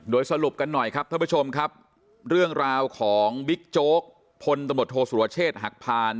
โดยสรุปกันหน่อยครับท่านผู้ชมครับเรื่องราวของบิ๊กโจ๊กพลตำรวจโทษสุรเชษฐ์หักพาน